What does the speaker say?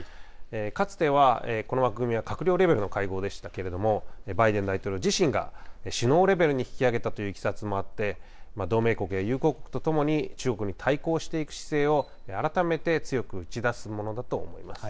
かつてはこの枠組みは閣僚レベルの会合でしたけれども、バイデン大統領自身が、首脳レベルに引き上げたといういきさつもあって、同盟国や友好国とともに、中国に対抗していく姿勢を改めて強く打ち出すものだと思います。